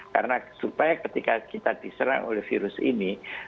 karena supaya ketika kita diserang oleh virus ini